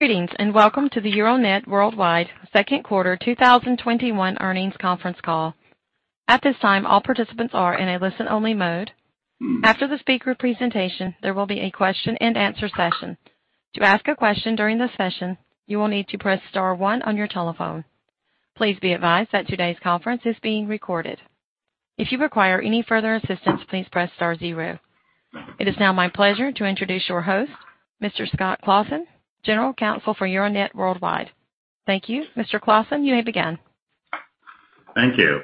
Greetings, and welcome to the Euronet Worldwide second quarter 2021 earnings conference call. At this time, all participants are in a listen-only mode. After the speaker's presentation, there will be a question-and-answer session. To ask a question during this session, you will need to press star one on your telephone. Please be advised that today's conference is being recorded. If you require any further assistance, please press star zero. It is now my pleasure to introduce your host, Mr. Scott Claassen, General Counsel for Euronet Worldwide. Thank you. Mr. Claassen, you may begin. Thank you.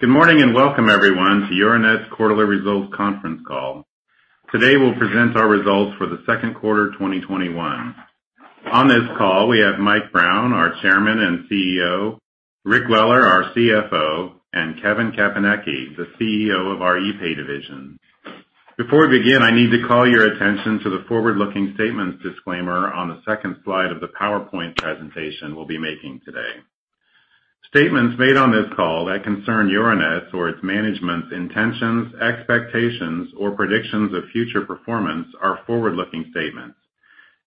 Good morning, and welcome everyone to Euronet's quarterly results conference call. Today, we'll present our results for the second quarter of 2021. On this call, we have Mike Brown, our Chairman and CEO, Rick Weller, our CFO, and Kevin Caponecchi, the CEO of our epay division. Before we begin, I need to call your attention to the forward-looking statements disclaimer on the second slide of the PowerPoint presentation we'll be making today. Statements made on this call that concern Euronet or its management's intentions, expectations, or predictions of future performance are forward-looking statements.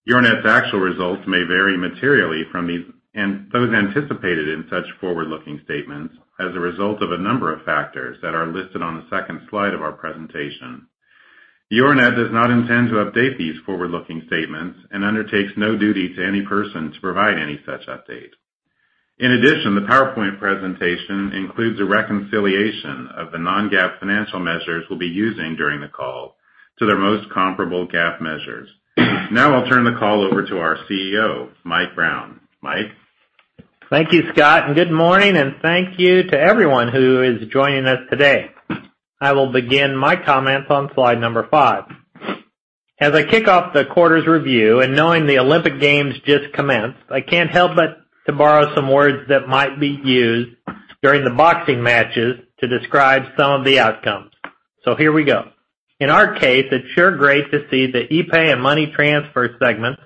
Euronet's actual results may vary materially from those anticipated in such forward-looking statements as a result of a number of factors that are listed on the second slide of our presentation. Euronet does not intend to update these forward-looking statements and undertakes no duty to any person to provide any such update. The PowerPoint presentation includes a reconciliation of the non-GAAP financial measures we'll be using during the call to their most comparable GAAP measures. I'll turn the call over to our CEO, Mike Brown. Mike? Thank you, Scott, good morning, and thank you to everyone who is joining us today. I will begin my comments on slide number five. As I kick off the quarter's review, knowing the Olympic Games just commenced, I can't help but to borrow some words that might be used during the boxing matches to describe some of the outcomes. Here we go. In our case, it's sure great to see the epay and money transfer segments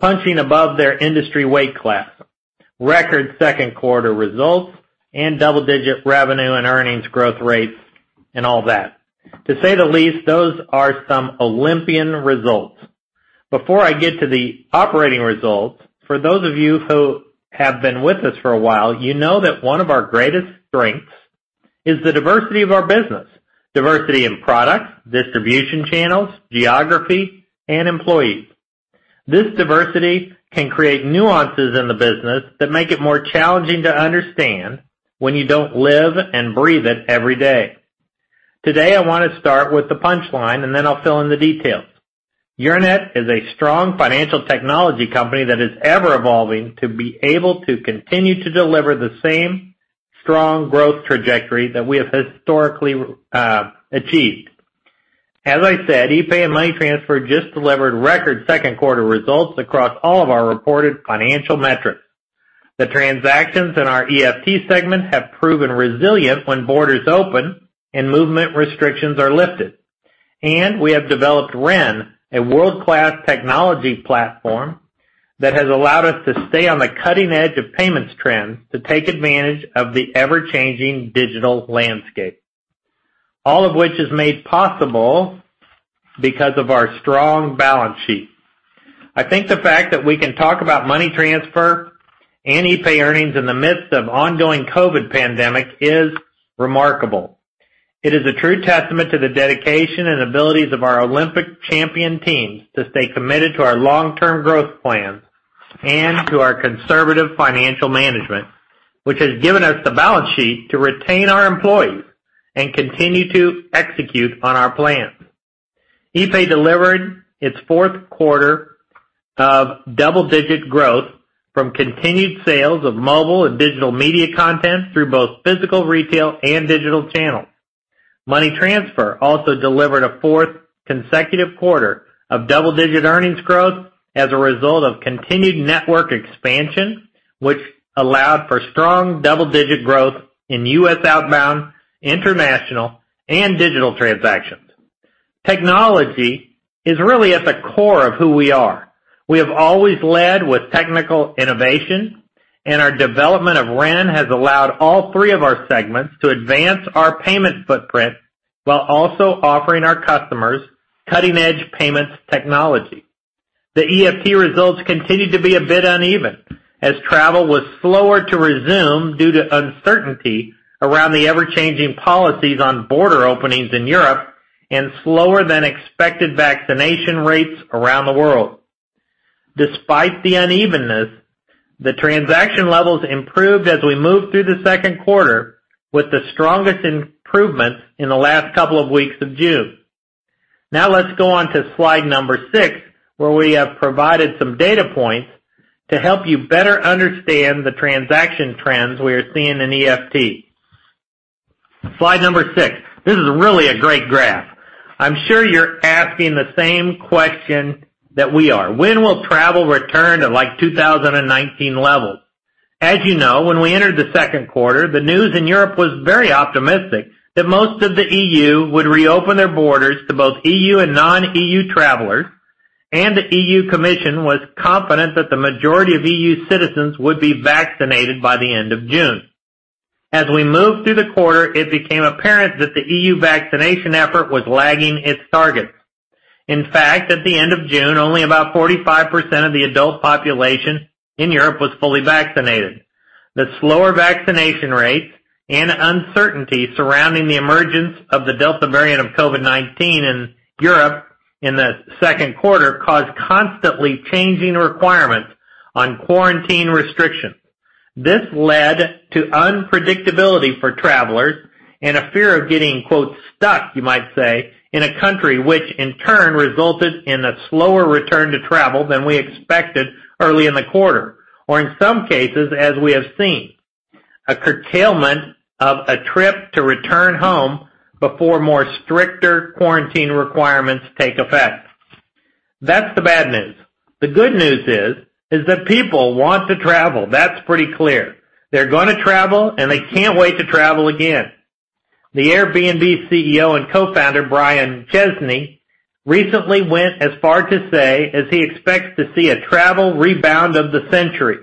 punching above their industry weight class. Record second-quarter results and double-digit revenue and earnings growth rates, and all that. To say the least, those are some Olympian results. Before I get to the operating results, for those of you who have been with us for a while, you know that one of our greatest strengths is the diversity of our business, diversity in product, distribution channels, geography, and employees. This diversity can create nuances in the business that make it more challenging to understand when you don't live and breathe it every day. Today, I want to start with the punchline, and then I'll fill in the details. Euronet is a strong financial technology company that is ever-evolving to be able to continue to deliver the same strong growth trajectory that we have historically achieved. As I said, epay and money transfer just delivered record second-quarter results across all of our reported financial metrics. The transactions in our EFT segment have proven resilient when borders open and movement restrictions are lifted, and we have developed Ren, a world-class technology platform that has allowed us to stay on the cutting edge of payments trends to take advantage of the ever-changing digital landscape. All of which is made possible because of our strong balance sheet. I think the fact that we can talk about money transfer and epay earnings in the midst of the ongoing COVID pandemic is remarkable. It is a true testament to the dedication and abilities of our Olympic champion teams to stay committed to our long-term growth plans and to our conservative financial management, which has given us the balance sheet to retain our employees and continue to execute on our plans. epay delivered its fourth quarter of double-digit growth from continued sales of mobile and digital media content through both physical retail and digital channels. Money transfer also delivered a fourth consecutive quarter of double-digit earnings growth as a result of continued network expansion, which allowed for strong double-digit growth in U.S. outbound, international, and digital transactions. Technology is really at the core of who we are. We have always led with technical innovation, and our development of Ren has allowed all three of our segments to advance our payment footprint while also offering our customers cutting-edge payment technology. The EFT results continued to be a bit uneven as travel was slower to resume due to uncertainty around the ever-changing policies on border openings in Europe and slower-than-expected vaccination rates around the world. Despite the unevenness, the transaction levels improved as we moved through the second quarter, with the strongest improvements in the last couple of weeks of June. Let's go on to slide number six, where we have provided some data points to help you better understand the transaction trends we are seeing in EFT. Slide number six. This is really a great graph. I'm sure you're asking the same question that we are. When will travel return to like 2019 levels? As you know, when we entered the second quarter, the news in Europe was very optimistic that most of the EU would reopen its borders to both EU and non-EU travelers, and the EU Commission was confident that the majority of EU citizens would be vaccinated by the end of June. We moved through the quarter, and it became apparent that the EU vaccination effort was lagging its targets. In fact, at the end of June, only about 45% of the adult population in Europe was fully vaccinated. The slower vaccination rates and uncertainty surrounding the emergence of the Delta variant of COVID-19 in Europe in the second quarter caused constantly changing requirements on quarantine restrictions. This led to unpredictability for travelers and a fear of getting "stuck," you might say, in a country, which in turn resulted in a slower return to travel than we expected early in the quarter. Or in some cases, as we have seen, a curtailment of a trip to return home before more stricter quarantine requirements take effect. That's the bad news. The good news is that people want to travel. That's pretty clear. They're going to travel, and they can't wait to travel again. The Airbnb Chief Executive Officer and Co-founder, Brian Chesky, recently went as far as to say that he expects to see a travel rebound of the century.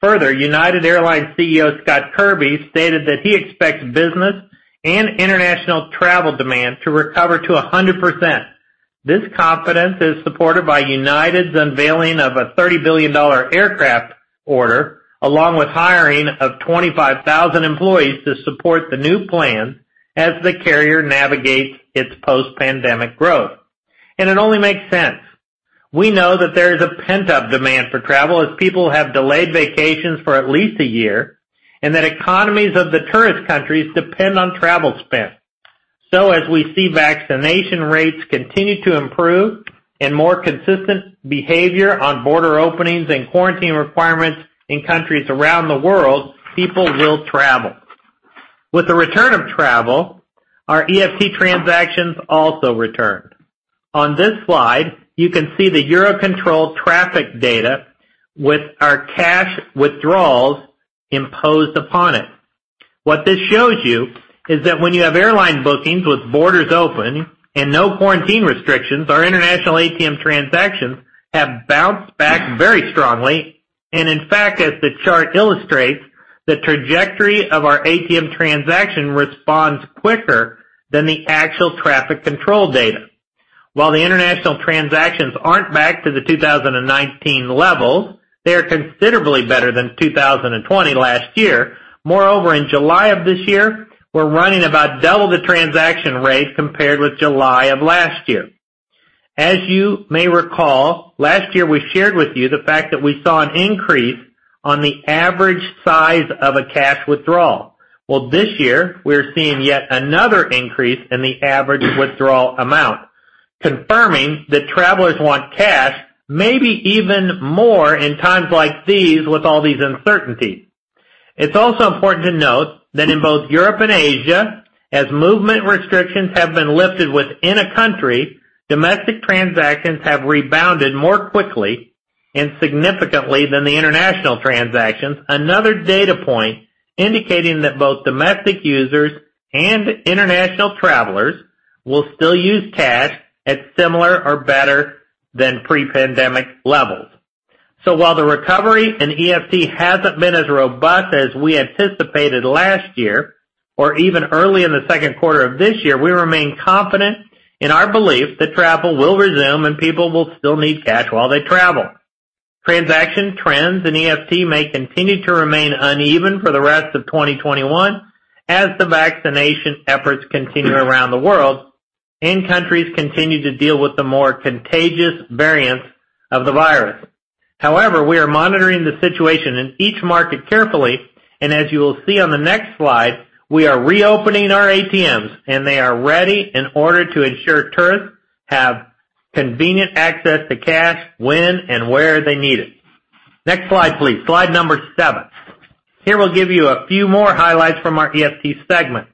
Further, United Airlines Chief Executive Officer Scott Kirby stated that he expects business and international travel demand to recover to 100%. This confidence is supported by United's unveiling of a $30 billion aircraft order, along with the hiring of 25,000 employees to support the new plan as the carrier navigates its post-pandemic growth. It only makes sense. We know that there is a pent-up demand for travel as people have delayed vacations for at least a year, and that the economies of the tourist countries depend on travel spend. As we see vaccination rates continue to improve and more consistent behavior on border openings and quarantine requirements in countries around the world, people will travel. With the return of travel, our EFT transactions also returned. On this slide, you can see the Eurocontrol traffic data with our cash withdrawals imposed upon it. What this shows you is that when you have airline bookings with borders open and no quarantine restrictions, our international ATM transactions have bounced back very strongly. In fact, as the chart illustrates, the trajectory of our ATM transactions responds quicker than the actual traffic control data. While the international transactions aren't back to the 2019 levels, they are considerably better than in 2020 last year. In July of this year, we're running about double the transaction rate compared with July of last year. As you may recall, last year we shared with you the fact that we saw an increase in the average size of a cash withdrawal. This year, we're seeing yet another increase in the average withdrawal amount, confirming that travelers want cash, maybe even more in times like these, with all these uncertainties. It's also important to note that in both Europe and Asia, as movement restrictions have been lifted within a country, domestic transactions have rebounded more quickly and significantly than international transactions. Another data point indicating that both domestic users and international travelers will still use cash at similar or better than pre-pandemic levels. While the recovery in EFT hasn't been as robust as we anticipated last year, or even early in the second quarter of this year, we remain confident in our belief that travel will resume and people will still need cash while they travel. Transaction trends in EFT may continue to remain uneven for the rest of 2021 as the vaccination efforts continue around the world and countries continue to deal with the more contagious variants of the virus. However, we are monitoring the situation in each market carefully, and as you will see on the next slide, we are reopening our ATMs, and they are ready in order to ensure tourists have convenient access to cash when and where they need it. Next slide, please. Slide number seven. Here we'll give you a few more highlights from our EFT segment.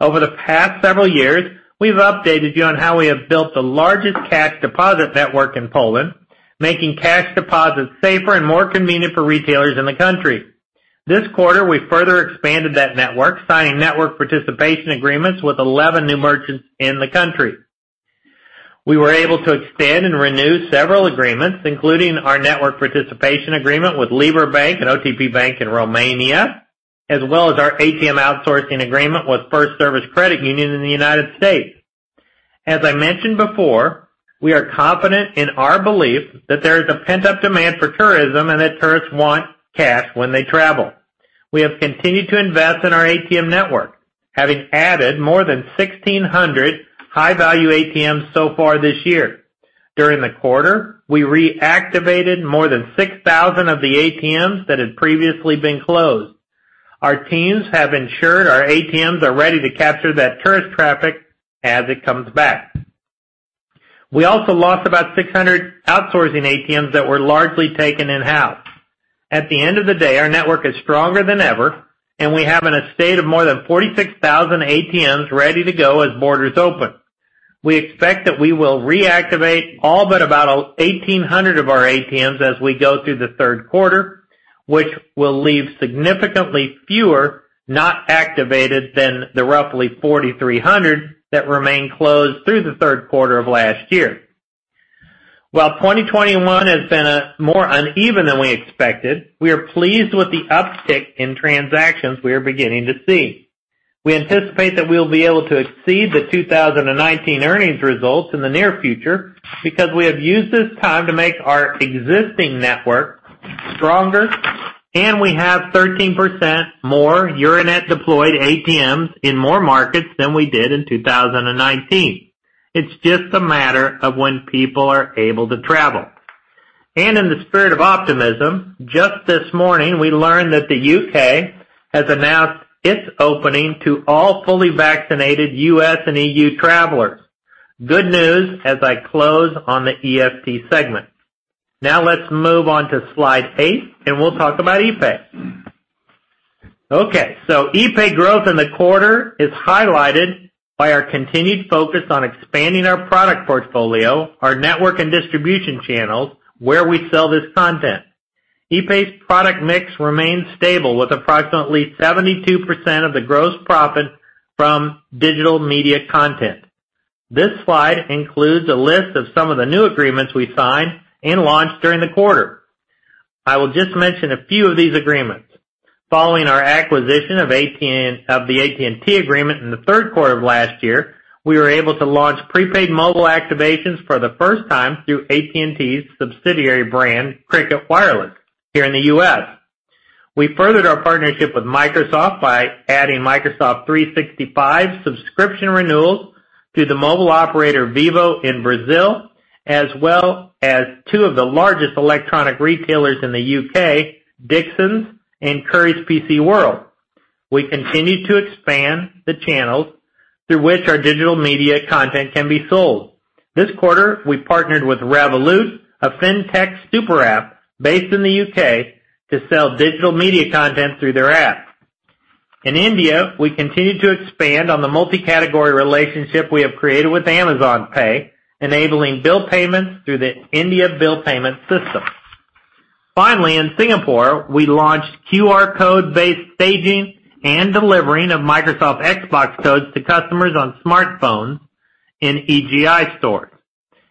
Over the past several years, we've updated you on how we have built the largest cash deposit network in Poland, making cash deposits safer and more convenient for retailers in the country. This quarter, we further expanded that network, signing network participation agreements with 11 new merchants in the country. We were able to extend and renew several agreements, including our network participation agreement with Libra Bank and OTP Bank in Romania, as well as our ATM outsourcing agreement with First Service Credit Union in the U.S. As I mentioned before, we are confident in our belief that there is a pent-up demand for tourism and that tourists want cash when they travel. We have continued to invest in our ATM network, having added more than 1,600 high-value ATMs so far this year. During the quarter, we reactivated more than 6,000 of the ATMs that had previously been closed. Our teams have ensured our ATMs are ready to capture that tourist traffic as it comes back. We also lost about 600 outsourcing ATMs that were largely taken in-house. At the end of the day, our network is stronger than ever, and we have in a state of more than 46,000 ATMs ready to go as borders open. We expect that we will reactivate all but about 1,800 of our ATMs as we go through the third quarter, which will leave significantly fewer not activated than the roughly 4,300 that remained closed through the third quarter of last year. While 2021 has been more uneven than we expected, we are pleased with the uptick in transactions we are beginning to see. We anticipate that we will be able to exceed the 2019 earnings results in the near future because we have used this time to make our existing network stronger, and we have 13% more Euronet-deployed ATMs in more markets than we did in 2019. It's just a matter of when people are able to travel. In the spirit of optimism, just this morning, we learned that the U.K. has announced its opening to all fully vaccinated U.S. and EU travelers. Good news as I close on the EFT segment. Let's move on to slide eight, and we'll talk about epay. Okay, epay growth in the quarter is highlighted by our continued focus on expanding our product portfolio, our network, and distribution channels, where we sell this content. epay's product mix remains stable, with approximately 72% of the gross profit from digital media content. This slide includes a list of some of the new agreements we signed and launched during the quarter. I will just mention a few of these agreements. Following our acquisition of the AT&T agreement in the third quarter of last year, we were able to launch prepaid mobile activations for the first time through AT&T's subsidiary brand, Cricket Wireless, here in the U.S. We furthered our partnership with Microsoft by adding Microsoft 365 subscription renewals through the mobile operator Vivo in Brazil, as well as two of the largest electronic retailers in the U.K., Dixons and Currys PC World. We continued to expand the channels through which our digital media content can be sold. This quarter, we partnered with Revolut, a Fintech super-app based in the U.K., to sell digital media content through their app. In India, we continued to expand on the multi-category relationship we have created with Amazon Pay, enabling bill payments through the India bill payment system. In Singapore, we launched QR code-based staging and delivering of Microsoft Xbox codes to customers on smartphones in EGI stores.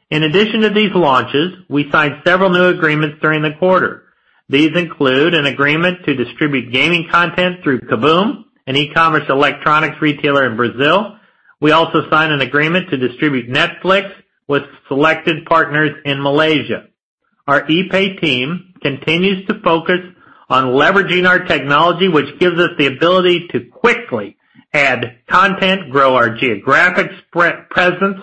In addition to these launches, we signed several new agreements during the quarter. These include an agreement to distribute gaming content through KaBuM!, an e-commerce electronics retailer in Brazil. We also signed an agreement to distribute Netflix with selected partners in Malaysia. Our epay team continues to focus on leveraging our technology, which gives us the ability to quickly add content, grow our geographic spread presence,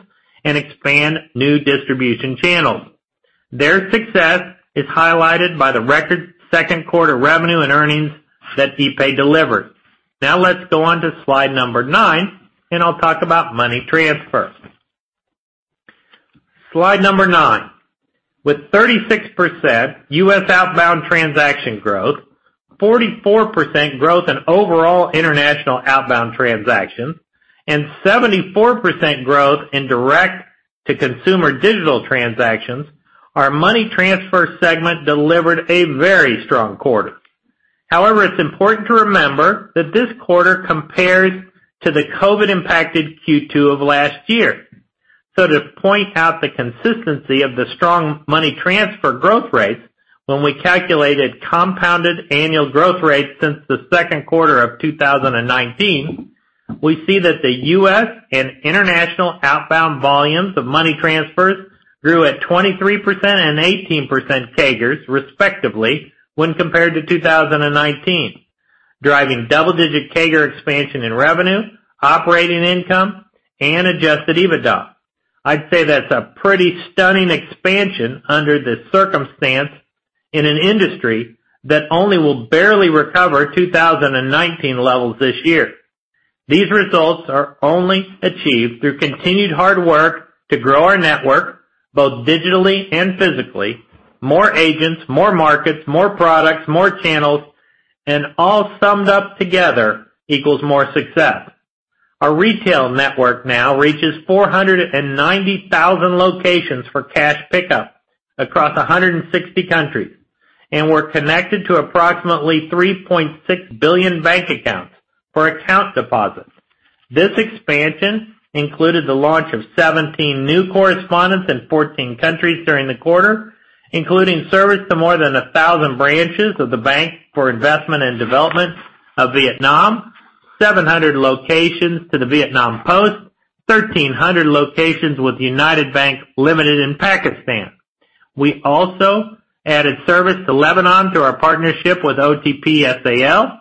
and expand new distribution channels. Their success is highlighted by the record second quarter revenue and earnings that epay delivered. Let's go on to slide number nine, and I'll talk about money transfer. Slide number nine. With 36% U.S. outbound transaction growth, 44% growth in overall international outbound transactions, and 74% growth in direct-to-consumer digital transactions, our Money Transfer Segment delivered a very strong quarter. However, it's important to remember that this quarter compares to the COVID-impacted Q2 of last year. To point out the consistency of the strong Money Transfer growth rates, when we calculated compounded annual growth rates since the second quarter of 2019, we see that the U.S. and international outbound volumes of Money Transfers grew at 23% and 18% CAGRs, respectively, when compared to 2019, driving double-digit CAGR expansion in revenue, operating income, and Adjusted EBITDA. I'd say that's a pretty stunning expansion under the circumstances in an industry that will barely recover 2019 levels this year. These results are only achieved through continued hard work to grow our network, both digitally and physically. More agents, more markets, more products, more channels, and all summed up together equals more success. Our retail network now reaches 490,000 locations for cash pickup across 160 countries, and we're connected to approximately 3.6 billion bank accounts for account deposits. This expansion included the launch of 17 new correspondents in 14 countries during the quarter, including service to more than 1,000 branches of the Bank for Investment and Development of Vietnam, 700 locations of the Vietnam Post, and 1,300 locations with United Bank Limited in Pakistan. We also added service to Lebanon through our partnership with OMT SAL.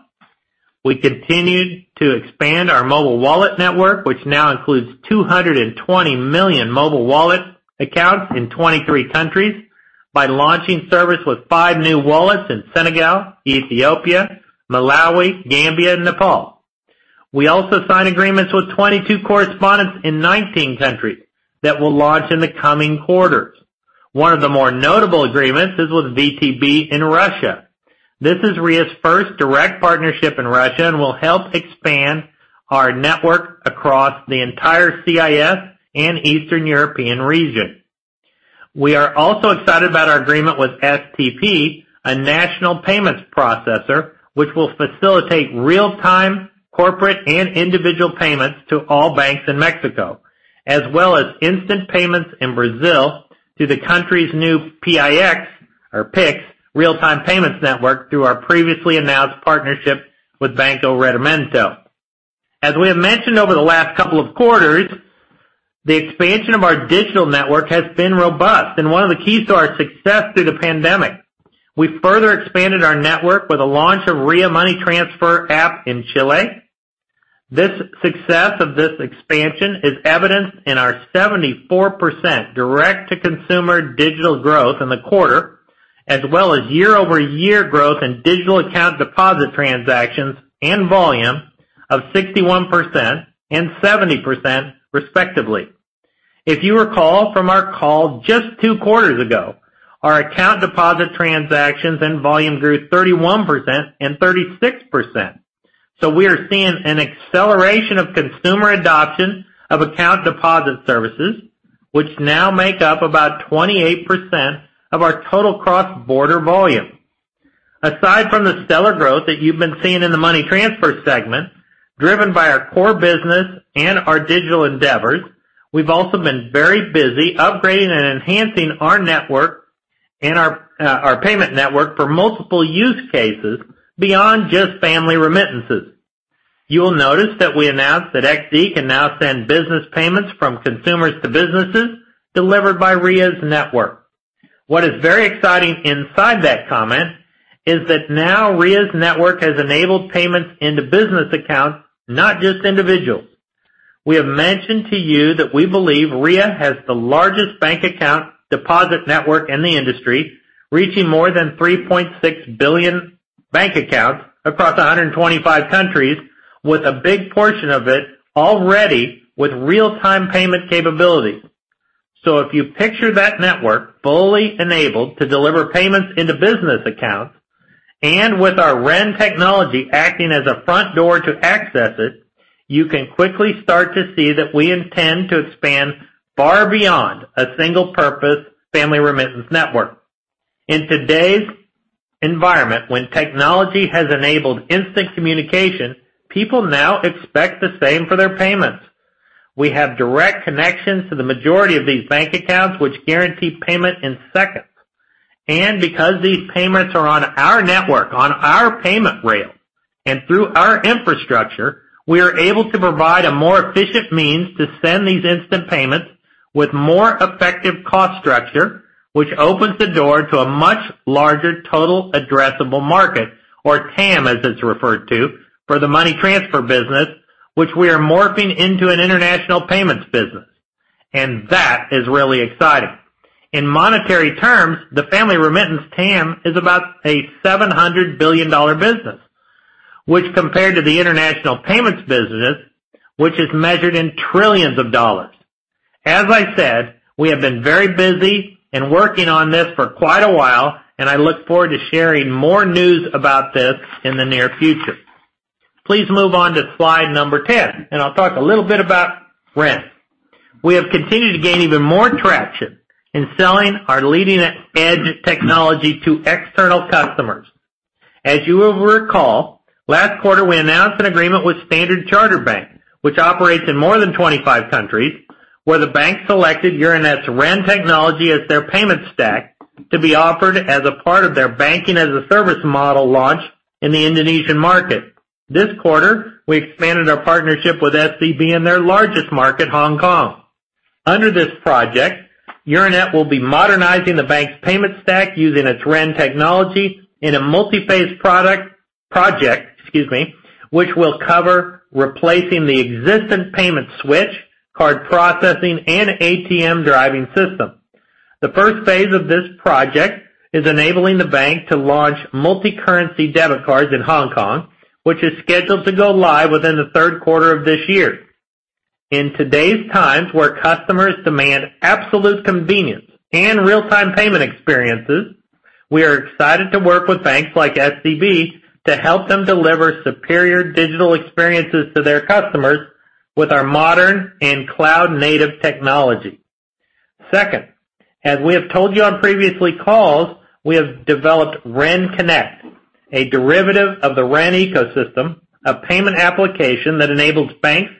We continued to expand our mobile wallet network, which now includes 220 million mobile wallet accounts in 23 countries, by launching service with five new wallets in Senegal, Ethiopia, Malawi, Gambia, and Nepal. We also signed agreements with 22 correspondents in 19 countries that will launch in the coming quarters. One of the more notable agreements is with VTB in Russia. This is Ria's first direct partnership in Russia and will help expand our network across the entire CIS and Eastern European region. We are also excited about our agreement with STP, a national payments processor, which will facilitate real-time corporate and individual payments to all banks in Mexico, as well as instant payments in Brazil through the country's new PIX, or PIX, real-time payments network, through our previously announced partnership with Banco Rendimento. We have mentioned over the last couple of quarters that the expansion of our digital network has been robust and one of the keys to our success through the pandemic. We further expanded our network with the launch of the Ria Money Transfer app in Chile. The success of this expansion is evidenced in our 74% direct-to-consumer digital growth in the quarter, as well as year-over-year growth in digital account deposit transactions and volume of 61% and 70%, respectively. If you recall from our call just two quarters ago, our account deposit transactions and volume grew 31% and 36%. We are seeing an acceleration of consumer adoption of account deposit services, which now make up about 28% of our total cross-border volume. Aside from the stellar growth that you've been seeing in the money transfer segment, driven by our core business and our digital endeavors, we've also been very busy upgrading and enhancing our payment network for multiple use cases beyond just family remittances. You will notice that we announced that XE can now send business payments from consumers to businesses delivered by Ria's network. What is very exciting inside that comment is that now Ria's network has enabled payments into business accounts, not just individuals. We have mentioned to you that we believe Ria has the largest bank account deposit network in the industry, reaching more than 3.6 billion bank accounts across 125 countries, with a big portion of it already with real-time payment capability. If you picture that network fully enabled to deliver payments into business accounts, and with our Ren technology acting as a front door to access it, you can quickly start to see that we intend to expand far beyond a single-purpose family remittance network. In today's environment, when technology has enabled instant communication, people now expect the same for their payments. We have direct connections to the majority of these bank accounts, which guarantee payment in seconds. Because these payments are on our network, on our payment rail, and through our infrastructure, we are able to provide a more efficient means to send these instant payments with more effective cost structure, which opens the door to a much larger total addressable market, or TAM, as it's referred to, for the money transfer business, which we are morphing into an international payments business. That is really exciting. In monetary terms, the family remittance TAM is about a $700 billion business, compared to the international payments business, which is measured in trillions of dollars. As I said, we have been very busy and working on this for quite a while, and I look forward to sharing more news about this in the near future. Please move on to slide number 10, and I'll talk a little bit about Ren. We have continued to gain even more traction in selling our leading-edge technology to external customers. As you will recall, last quarter, we announced an agreement with Standard Chartered Bank, which operates in more than 25 countries, where the bank selected Euronet's Ren technology as their payment stack to be offered as a part of their banking-as-a-service model launch in the Indonesian market. This quarter, we expanded our partnership with SCB in their largest market, Hong Kong. Under this project, Euronet will be modernizing the bank's payment stack using its Ren technology in a multiphase project, excuse me, which will cover replacing the existing payment switch, card processing, and ATM driving system. The first phase of this project is enabling the bank to launch multi-currency debit cards in Hong Kong, which is scheduled to go live within the third quarter of this year. In today's times, where customers demand absolute convenience and real-time payment experiences, we are excited to work with banks like SCB to help them deliver superior digital experiences to their customers with our modern and cloud-native technology. Second, as we have told you on previous calls, we have developed Ren Connect, a derivative of the Ren ecosystem, a payment application that enables banks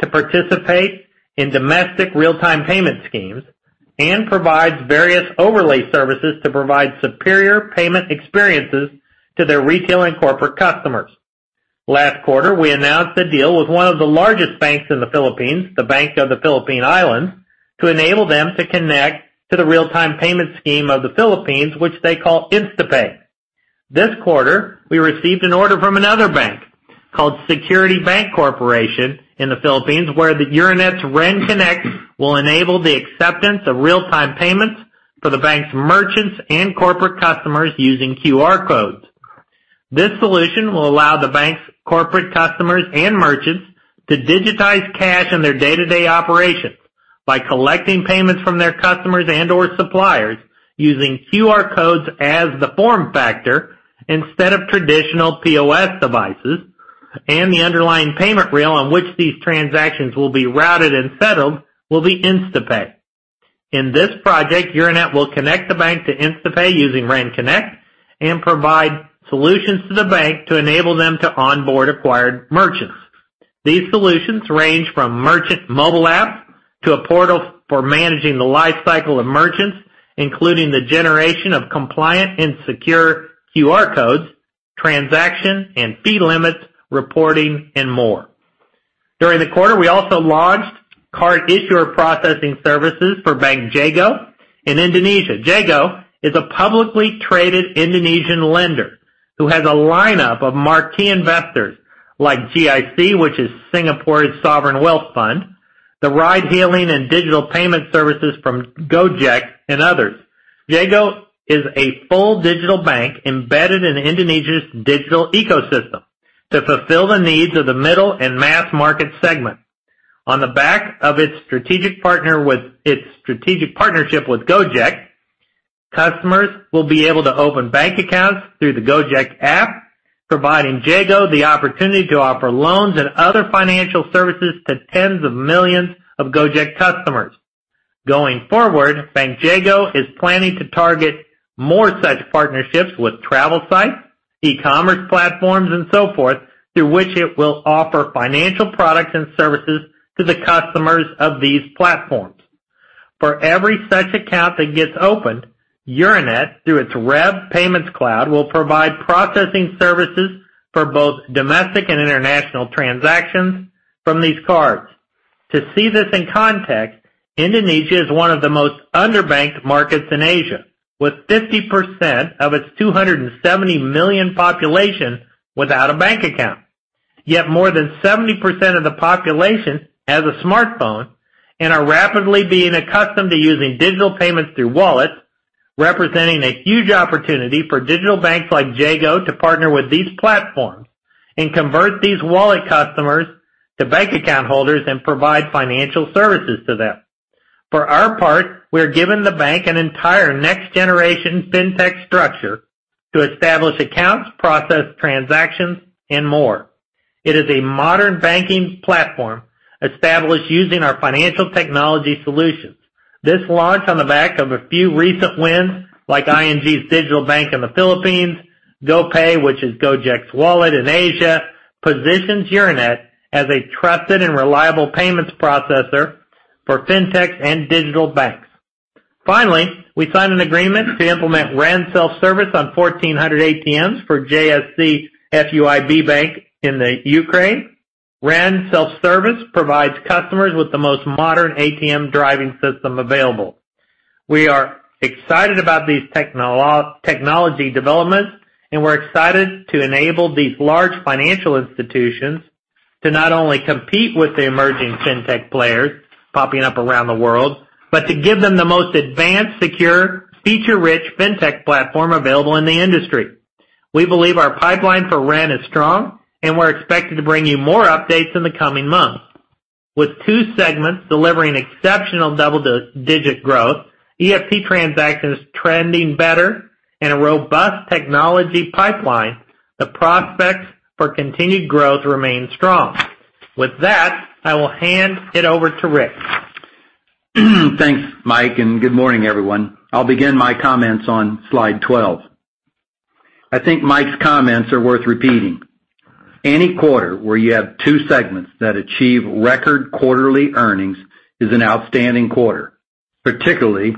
to participate in domestic real-time payment schemes and provides various overlay services to provide superior payment experiences to their retail and corporate customers. Last quarter, we announced a deal with one of the largest banks in the Philippines, the Bank of the Philippine Islands, to enable them to connect to the real-time payment scheme of the Philippines, which they call InstaPay. This quarter, we received an order from another bank called Security Bank Corporation in the Philippines, where Euronet's Ren Connect will enable the acceptance of real-time payments for the bank's merchants and corporate customers using QR codes. This solution will allow the bank's corporate customers and merchants to digitize cash in their day-to-day operations by collecting payments from their customers and/or suppliers using QR codes as the form factor instead of traditional POS devices, and the underlying payment rail on which these transactions will be routed and settled will be InstaPay. In this project, Euronet will connect the bank to InstaPay using Ren Connect and provide solutions to the bank to enable it to onboard acquired merchants. These solutions range from merchant mobile apps to a portal for managing the lifecycle of merchants, including the generation of compliant and secure QR codes, transaction and fee limits, reporting, and more. During the quarter, we also launched card issuer processing services for Bank Jago in Indonesia. Jago is a publicly traded Indonesian lender that has a lineup of marquee investors like GIC, which is Singapore's sovereign wealth fund, the ride-hailing and digital payment services from Gojek, and others. Jago is a full digital bank embedded in Indonesia's digital ecosystem to fulfill the needs of the middle and mass-market segments. On the back of its strategic partnership with Gojek, customers will be able to open bank accounts through the Gojek app, providing Jago the opportunity to offer loans and other financial services to tens of millions of Gojek customers. Going forward, Bank Jago is planning to target more such partnerships with travel sites, e-commerce platforms, and so forth, through which it will offer financial products and services to the customers of these platforms. For every such account that gets opened, Euronet, through its REV Payments Cloud, will provide processing services for both domestic and international transactions from these cards. To see this in context, Indonesia is one of the most underbanked markets in Asia, with 50% of its 270 million population without a bank account. Yet more than 70% of the population has a smartphone and are rapidly being accustomed to using digital payments through wallets, representing a huge opportunity for digital banks like Bank Jago to partner with these platforms and convert these wallet customers to bank account holders and provide financial services to them. For our part, we're giving the bank an entire next-generation fintech structure to establish accounts, process transactions, and more. It is a modern banking platform established using our financial technology solutions. This launch on the back of a few recent wins, like ING's digital bank in the Philippines, GoPay, which is Gojek's Wallet in Asia, positions Euronet as a trusted and reliable payments processor for fintechs and digital banks. Finally, we signed an agreement to implement Ren Self-Service on 1,400 ATMs for JSC FUIB Bank in Ukraine. Ren Self-Service provides customers with the most modern ATM driving system available. We are excited about these technology developments, and we're excited to enable these large financial institutions to not only compete with the emerging fintech players popping up around the world, but to give them the most advanced, secure, feature-rich fintech platform available in the industry. We believe our pipeline for Ren is strong, and we're expected to bring you more updates in the coming months. With two segments delivering exceptional double-digit growth, EFT transactions trending better, and a robust technology pipeline, the prospects for continued growth remain strong. With that, I will hand it over to Rick. Thanks, Mike. Good morning, everyone. I'll begin my comments on slide 12. I think Mike's comments are worth repeating. Any quarter where you have two segments that achieve record quarterly earnings is an outstanding quarter, particularly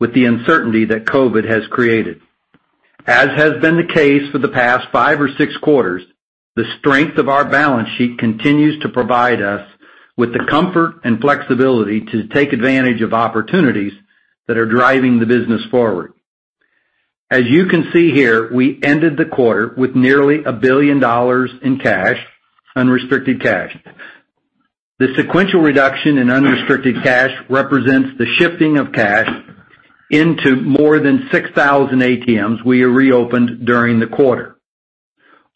with the uncertainty that COVID has created. As has been the case for the past five or six quarters, the strength of our balance sheet continues to provide us with the comfort and flexibility to take advantage of opportunities that are driving the business forward. As you can see here, we ended the quarter with nearly $1 billion in cash, unrestricted cash. The sequential reduction in unrestricted cash represents the shifting of cash into more than 6,000 ATMs we reopened during the quarter.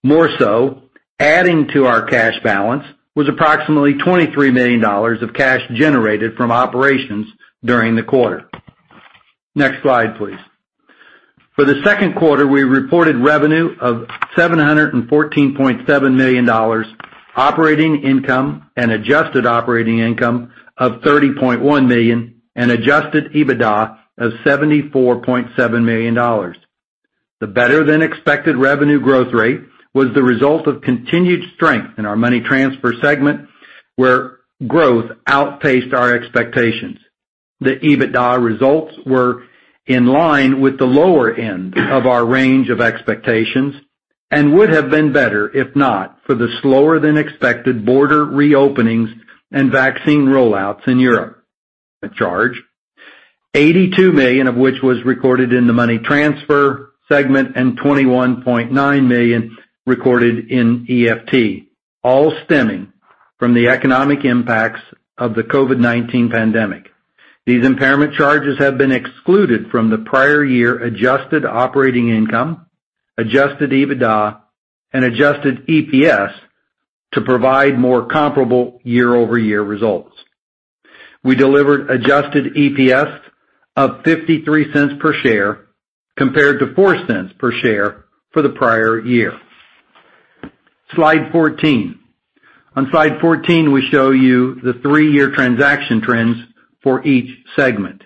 More so, adding to our cash balance was approximately $23 million of cash generated from operations during the quarter. Next slide, please. For the second quarter, we reported revenue of $714.7 million, operating income and adjusted operating income of $30.1 million, and Adjusted EBITDA of $74.7 million. The better-than-expected revenue growth rate was the result of continued strength in our money transfer segment, where growth outpaced our expectations. The EBITDA results were in line with the lower end of our range of expectations and would have been better if not for the slower-than-expected border reopenings and vaccine rollouts in Europe. A charge, $82 million of which was recorded in the money transfer segment and $21.9 million recorded in EFT, all stemming from the economic impacts of the COVID-19 pandemic. These impairment charges have been excluded from the prior year adjusted operating income, Adjusted EBITDA, and Adjusted EPS to provide more comparable year-over-year results. We delivered Adjusted EPS of $0.53 per share, compared to $0.04 per share for the prior year. Slide 14. On slide 14, we show you the three-year transaction trends for each segment.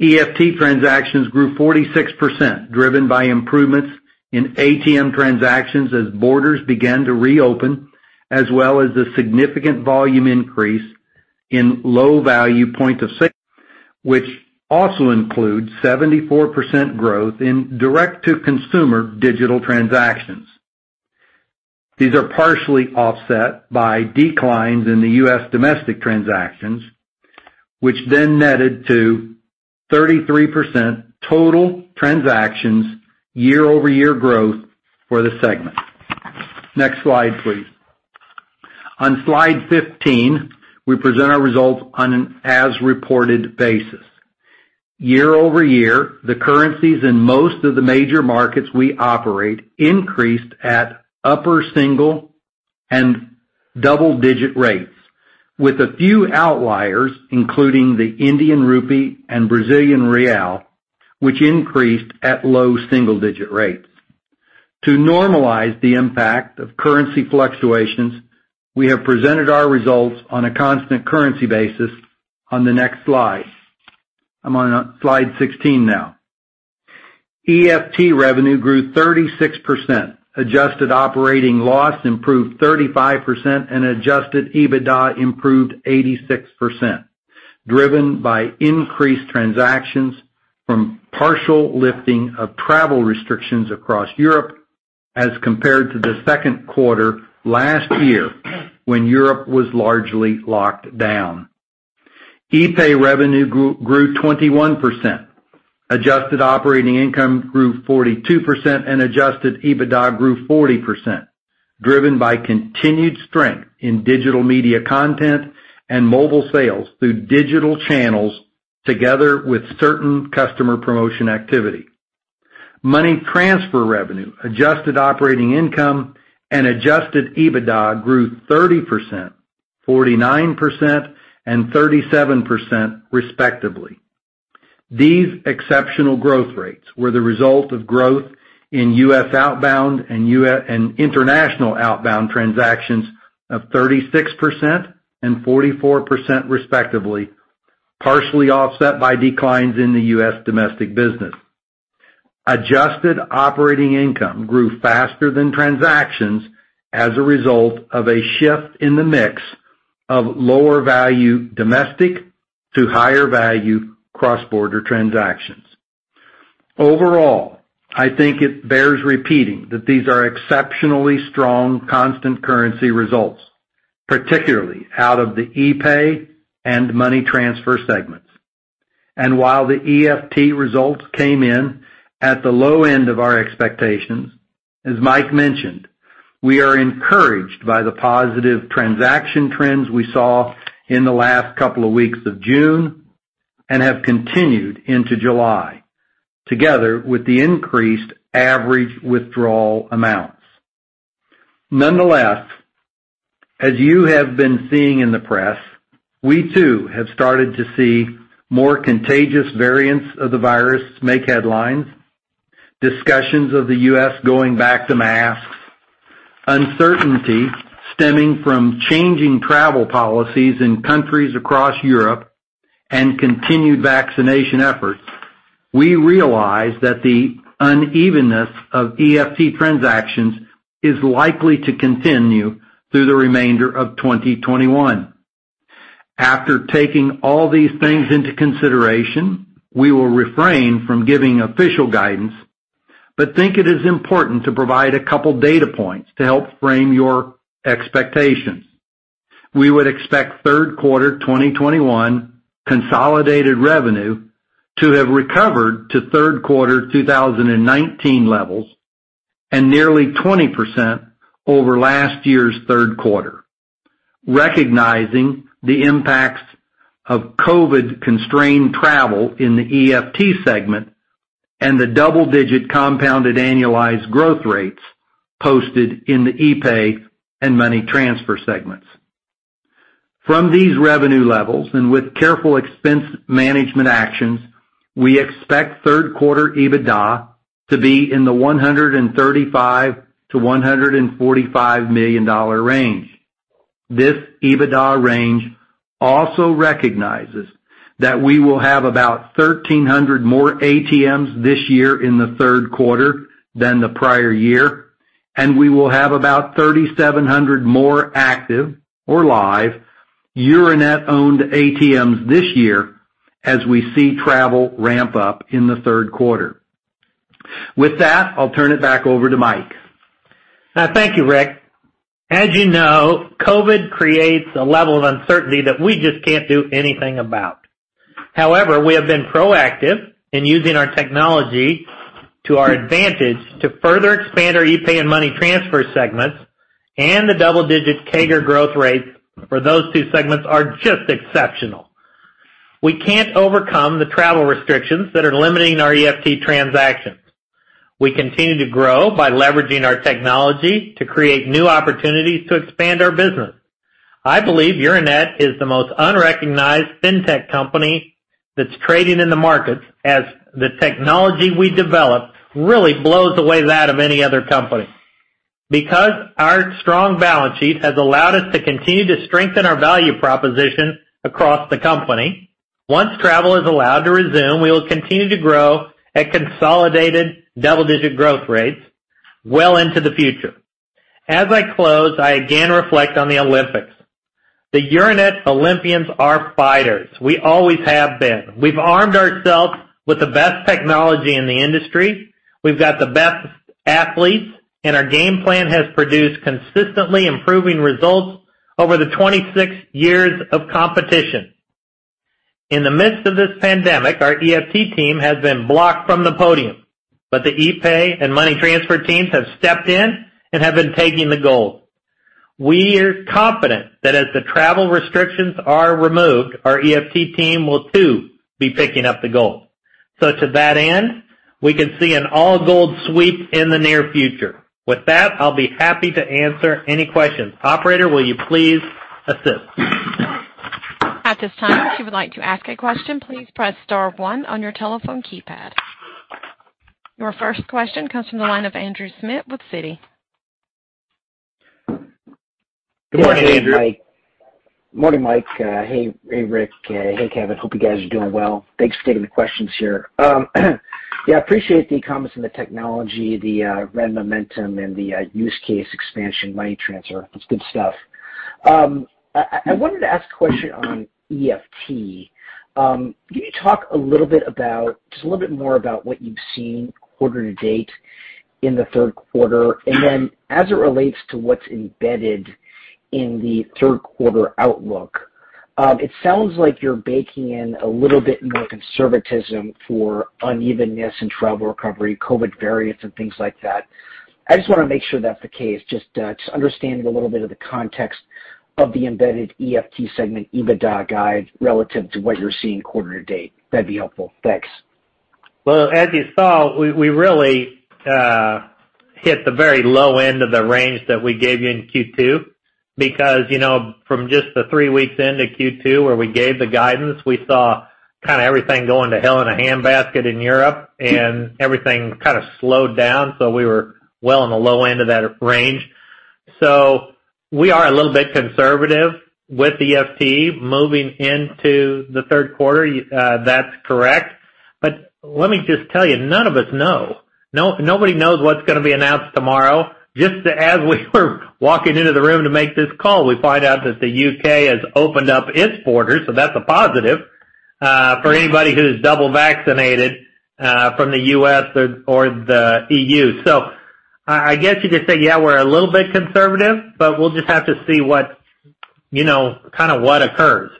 EFT transactions grew 46%, driven by improvements in ATM transactions as borders began to reopen, as well as the significant volume increase in low-value point of sale, which also includes 74% growth in direct-to-consumer digital transactions. These are partially offset by declines in the U.S. domestic transactions, which then netted to 33% total transactions year-over-year growth for the segment. Next slide, please. On slide 15, we present our results on an as-reported basis. Year-over-year, the currencies in most of the major markets we operate in increased at upper single and double-digit rates, with a few outliers, including the Indian rupee and Brazilian real, which increased at low single-digit rates. To normalize the impact of currency fluctuations, we have presented our results on a constant currency basis on the next slide. I'm on slide 16 now. EFT revenue grew 36%, adjusted operating loss improved 35%, Adjusted EBITDA improved 86%, driven by increased transactions from the partial lifting of travel restrictions across Europe as compared to the second quarter last year. When Europe was largely locked down, epay revenue grew 21%, adjusted operating income grew 42%, and Adjusted EBITDA grew 40%, driven by continued strength in digital media content and mobile sales through digital channels, together with certain customer promotion activity. Money transfer revenue, adjusted operating income, and Adjusted EBITDA grew 30%, 49%, and 37%, respectively. These exceptional growth rates were the result of growth in U.S. outbound and international outbound transactions of 36% and 44%, respectively, partially offset by declines in the U.S. domestic business. Adjusted operating income grew faster than transactions as a result of a shift in the mix of lower-value domestic to higher-value cross-border transactions. Overall, I think it bears repeating that these are exceptionally strong constant currency results, particularly out of the epay and Money Transfer segments. While the EFT results came in at the low end of our expectations, as Mike mentioned, we are encouraged by the positive transaction trends we saw in the last couple of weeks of June and have continued into July, together with the increased average withdrawal amounts. Nonetheless, as you have been seeing in the press, we too have started to see more contagious variants of the virus make headlines, discussions of the U.S. going back to masks, uncertainty stemming from changing travel policies in countries across Europe, and continued vaccination efforts. We realize that the unevenness of EFT transactions is likely to continue through the remainder of 2021. After taking all these things into consideration, we will refrain from giving official guidance, but think it is important to provide a couple of data points to help frame your expectations. We would expect third quarter 2021 consolidated revenue to have recovered to third quarter 2019 levels and nearly 20% over last year's third quarter, recognizing the impacts of COVID-constrained travel in the EFT segment and the double-digit compounded annualized growth rates posted in the epay and Money Transfer segments. From these revenue levels, and with careful expense management actions, we expect third-quarter EBITDA to be in the $135 million-$145 million range. This EBITDA range also recognizes that we will have about 1,300 more ATMs this year in the third quarter than the prior year, and we will have about 3,700 more active or live Euronet-owned ATMs this year, as we see travel ramp up in the third quarter. With that, I'll turn it back over to Mike. Thank you, Rick. As you know, COVID creates a level of uncertainty that we just can't do anything about. However, we have been proactive in using our technology to our advantage to further expand our epay and Money Transfer segments, and the double-digit CAGR growth rates for those two segments are just exceptional. We can't overcome the travel restrictions that are limiting our EFT transactions. We continue to grow by leveraging our technology to create new opportunities to expand our business. I believe Euronet is the most unrecognized fintech company that's trading in the markets, as the technology we developed really blows away that of any other company. Because our strong balance sheet has allowed us to continue to strengthen our value proposition across the company, once travel is allowed to resume, we will continue to grow at consolidated double-digit growth rates well into the future. As I close, I again reflect on the Olympics. The Euronet Olympians are fighters. We always have been. We've armed ourselves with the best technology in the industry. We've got the best athletes, and our game plan has produced consistently improving results over the 26 years of competition. In the midst of this pandemic, our EFT team has been blocked from the podium, but the epay and Money Transfer teams have stepped in and have been taking the gold. We are confident that, as the travel restrictions are removed, our EFT team will also be picking up the gold. To that end, we can see an all-gold sweep in the near future. With that, I'll be happy to answer any questions. Operator, will you please assist? At this time, if you would like to ask a question, please press star one on your telephone keypad. Your first question comes from the line of Andrew Schmidt with Citi. Good morning, Andrew. Morning, Mike. Hey, Rick. Hey, Kevin. Hope you guys are doing well. Thanks for taking the questions here. Appreciate the comments on the technology, the Ren momentum, and the use case expansion, money transfer. That's good stuff. I wanted to ask a question on EFT. Can you talk just a little bit more about what you've seen quarter to date in the third quarter, and then as it relates to what's embedded in the third quarter outlook? It sounds like you're baking in a little bit more conservatism for unevenness in travel recovery, COVID variants, and things like that. I just want to make sure that's the case, just understanding a little bit of the context of the embedded EFT segment, EBITDA guide, relative to what you're seeing quarter to date. That'd be helpful. Thanks. Well, as you saw, we really hit the very low end of the range that we gave you in Q2 because from just the three weeks into Q2 where we gave the guidance, we saw everything going to hell in a handbasket in Europe, and everything kind of slowed down. We were well in the low end of that range. We are a little bit conservative with EFT moving into the third quarter, that's correct. Let me just tell you, none of us know. Nobody knows what's going to be announced tomorrow. Just as we were walking into the room to make this call, we found out that the U.K. has opened up its borders, so that's a positive for anybody who's double vaccinated from the U.S. or the EU. I guess you could say, yeah, we're a little bit conservative, but we'll just have to see what occurs.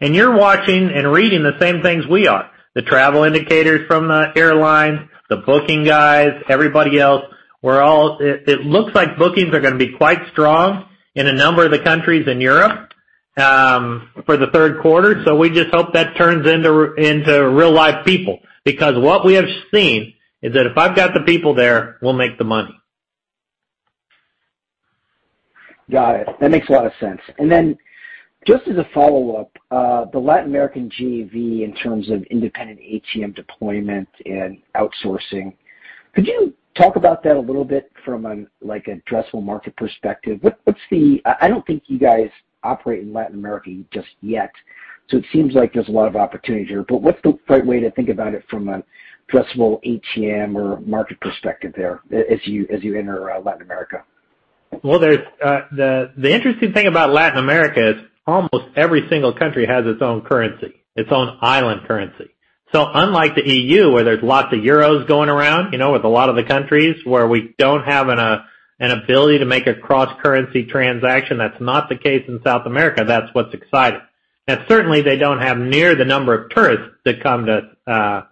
You're watching and reading the same things we are. The travel indicators from the airlines, the booking guys, everybody else. It looks like bookings are going to be quite strong in a number of countries in Europe for the third quarter. We just hope that turns into real-life people, because what we have seen is that if I've got the people there, we'll make the money. Got it. That makes a lot of sense. Just as a follow-up, the Latin American JV, in terms of independent ATM deployment and outsourcing, could you talk about that a little bit from an addressable market perspective? I don't think you guys operate in Latin America just yet, so it seems like there's a lot of opportunity there, but what's the right way to think about it from an addressable ATM or market perspective there as you enter Latin America? Well, the interesting thing about Latin America is that almost every single country has its own currency, its own island currency. Unlike the EU, where there's lots of EUR going around, with a lot of the countries where we don't have the ability to make a cross-currency transaction, that's not the case in South America. That's what's exciting. Certainly, they don't have near the number of tourists that come to,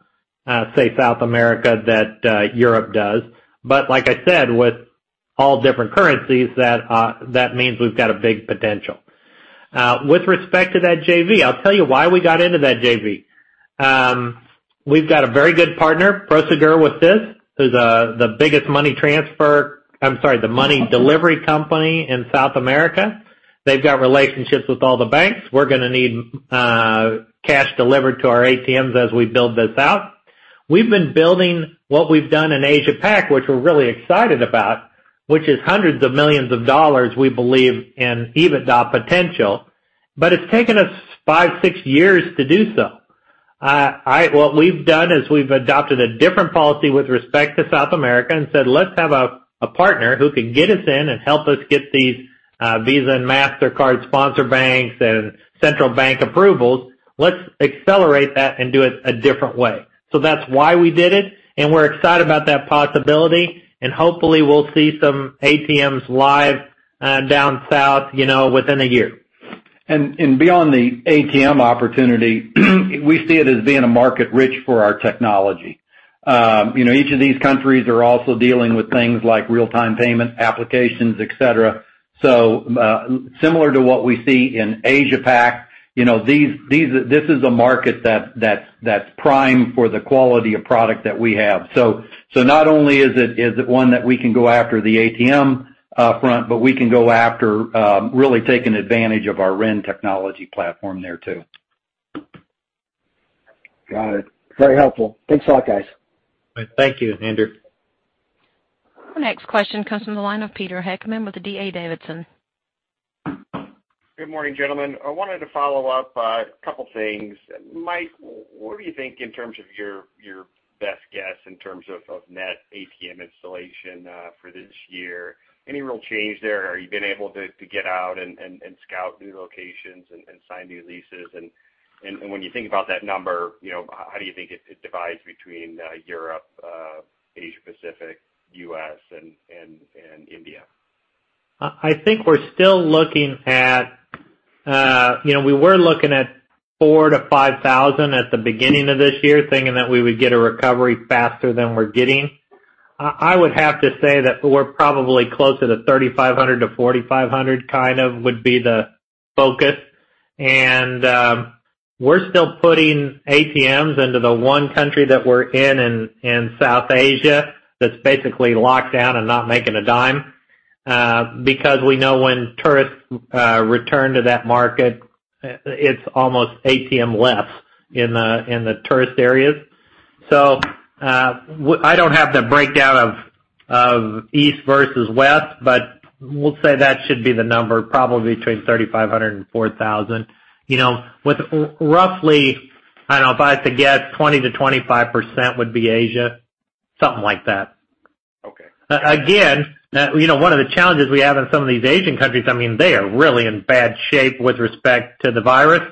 say, South America that Europe does. As I said, with all the different currencies, that means we've got a big potential. With respect to that JV, I'll tell you why we got into that JV. We've got a very good partner, Prosegur, with this, who's the biggest money delivery company in South America. They've got relationships with all the banks. We're going to need cash delivered to our ATMs as we build this out. We've been building what we've done in Asia-Pac, which we're really excited about, which is hundreds of millions of dollars we believe in EBITDA potential. It's taken us five to six years to do so. What we've done is we've adopted a different policy with respect to South America and said, "Let's have a partner who can get us in and help us get these Visa and Mastercard sponsor banks and central bank approvals. Let's accelerate that and do it a different way." That's why we did it, and we're excited about that possibility, and hopefully we'll see some ATMs live down south within a year. Beyond the ATM opportunity, we see it as a market rich for our technology. Each of these countries are also dealing with things like real-time payment applications, et cetera, similar to what we see in Asia-Pac. This is a market that's prime for the quality of product that we have. Not only is it one that we can go after the ATM upfront, but we can go after really taking advantage of our Ren technology platform there, too. Got it. Very helpful. Thanks a lot, guys. Thank you, Andrew. The next question comes from the line of Peter Heckmann with D.A. Davidson. Good morning, gentlemen. I wanted to follow up on a couple of things. Mike, what do you think in terms of your best guess in terms of net ATM installation for this year? Any real change there? Have you been able to get out and scout new locations and sign new leases? When you think about that number, how do you think it is divided between Europe, Asia-Pacific, the U.S., and India? I think we're still looking at 4,000-5,000 at the beginning of this year, thinking that we would get a recovery faster than we're getting. I would have to say that we're probably closer to 3,500-4,500, kind of would be the focus. We're still putting ATMs into the one country that we're in, South Asia, that's basically locked down and not making a dime, because we know when tourists return to that market, it's almost ATM-less in the tourist areas. I don't have the breakdown of east versus west, but we'll say that should be the number, probably between 3,500 and 4,000. With roughly, I don't know, if I had to guess, 20%-25% would be Asia, something like that. Okay. One of the challenges we have in some of these Asian countries, they are really in bad shape with respect to the virus.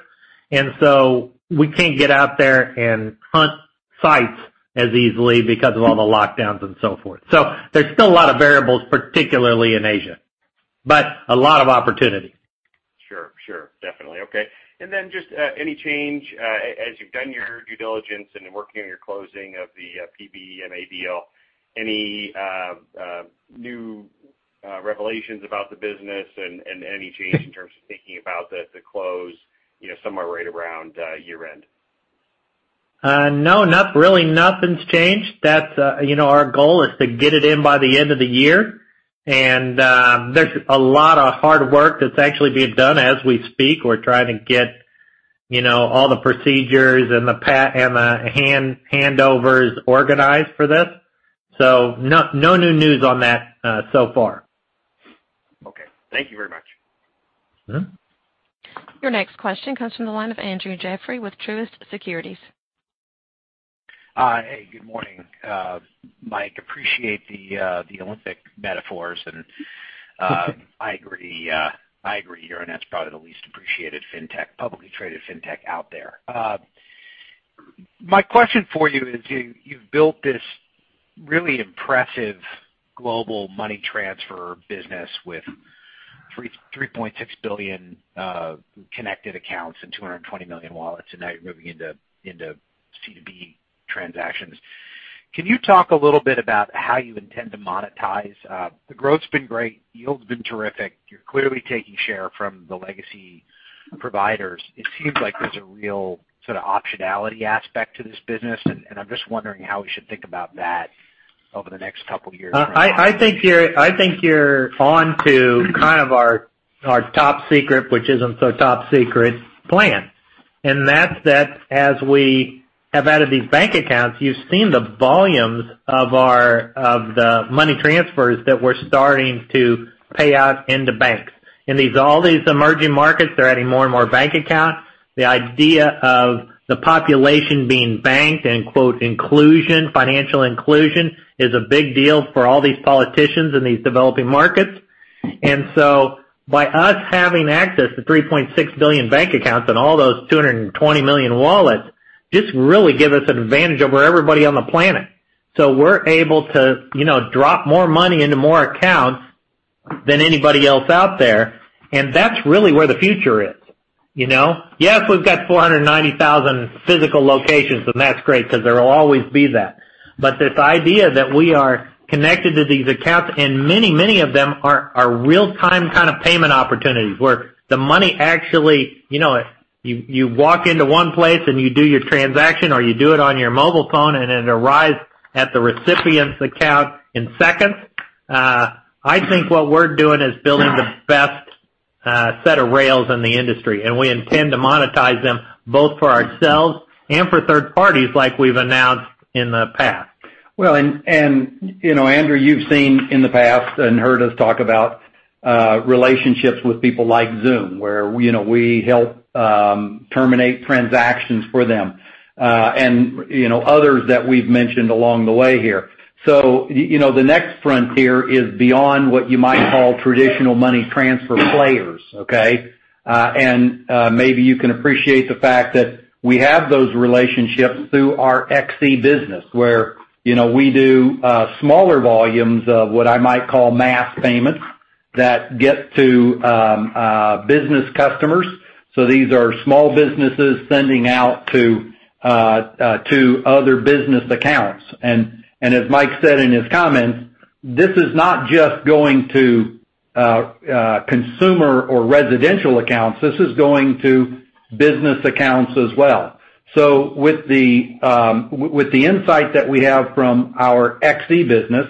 We can't get out there and hunt sites as easily because of all the lockdowns and so forth. There's still a lot of variables, particularly in Asia. A lot of opportunities. Sure. Definitely. Okay. Then, just any change, as you've done your due diligence and are working on your closing of the PB deal, any new revelations about the business, and any change in terms of thinking about the close somewhere right around year-end? No, really, nothing's changed. Our goal is to get it in by the end of the year. There's a lot of hard work that's actually being done as we speak. We're trying to get all the procedures and the handovers organized for this. No new news on that so far. Okay. Thank you very much. Your next question comes from the line of Andrew Jeffrey with Truist Securities. Hey, good morning. Mike, appreciate the Olympic metaphors, and I agree that Euronet's probably the least appreciated publicly traded fintech out there. My question for you is, you've built this really impressive global money transfer business with 3.6 billion connected accounts and 220 million wallets, and now you're moving into B2B transactions. Can you talk a little bit about how you intend to monetize? The growth's been great. Yield's been terrific. You're clearly taking share from the legacy providers. It seems like there's a real sort of optionality aspect to this business, and I'm just wondering how we should think about that over the next couple of years from now. I think you're onto kind of our top secret, which isn't so top secret plan. That's that, as we have added these bank accounts, you've seen the volumes of the money transfers that we're starting to pay out into banks. In all these emerging markets, they're adding more and more bank accounts. The idea of the population being banked, and quote, "inclusion," financial inclusion, is a big deal for all these politicians in these developing markets. By us having access to 3.6 billion bank accounts and all those 220 million wallets just really gives us an advantage over everybody on the planet. We're able to drop more money into more accounts than anybody else out there, and that's really where the future is. Yes, we've got 490,000 physical locations, and that's great because there'll always be that. This idea that we are connected to these accounts, and many of them are real-time kind of payment opportunities, where the money actually. You walk into 1 place and you do your transaction, or you do it on your mobile phone, and it arrives at the recipient's account in seconds. I think what we're doing is building the best set of rails in the industry, and we intend to monetize them both for ourselves and for third parties as we've announced in the past. Andrew, you've seen in the past and heard us talk about relationships with people like Xoom, where we help terminate transactions for them. Others that we've mentioned along the way here. The next frontier is beyond what you might call traditional money transfer players. Okay? Maybe you can appreciate the fact that we have those relationships through our XE business, where we do smaller volumes of what I might call mass payments that get to business customers. These are small businesses sending out to other business accounts. As Mike said in his comments, this is not just going to consumer or residential accounts; this is going to business accounts as well. With the insight that we have from our XE business,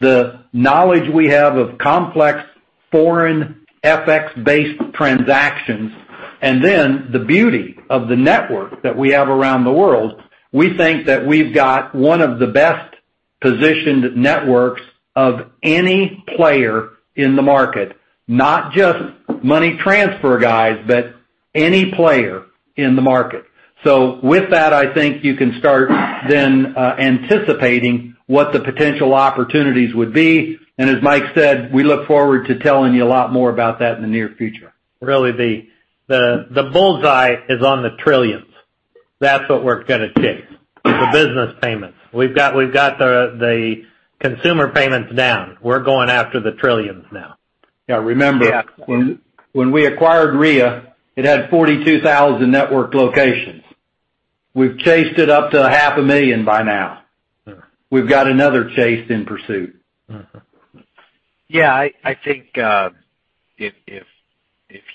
the knowledge we have of complex foreign FX-based transactions, and then the beauty of the network that we have around the world, we think that we've got one of the best-positioned networks of any player in the market. Not just money transfer guys, but any player in the market. With that, I think you can start by anticipating what the potential opportunities would be. As Mike said, we look forward to telling you a lot more about that in the near future. The bullseye is on the trillions. That's what we're going to chase, the business payments. We've got the consumer payments down. We're going after the trillions now. Yeah, remember, when we acquired Ria, it had 42,000 network locations. We've chased it up to 500,000 by now. Sure. We've got another chase in pursuit. Yeah, I think, if